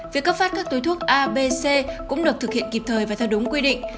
việc cấp phát các túi thuốc a b c cũng được thực hiện kịp thời và theo đúng quy định